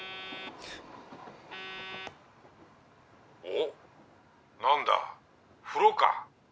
おっ何だ風呂か。